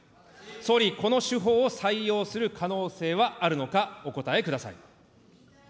総理、この手法を採用する可能性はあるのか、お答えください。